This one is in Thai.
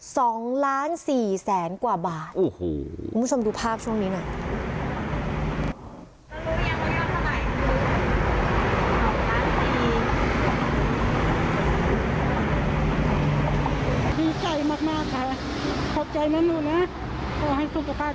สองล้านสี่แสนกว่าบาทโอ้โหคุณผู้ชมดูภาพช่วงนี้หน่อย